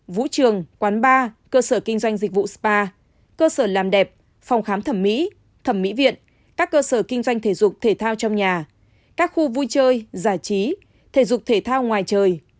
vũ trường quán bar cơ sở kinh doanh dịch vụ spa cơ sở làm đẹp phòng khám thẩm mỹ thẩm mỹ viện các cơ sở kinh doanh thể dục thể thao trong nhà các khu vui chơi giải trí thể dục thể thao ngoài trời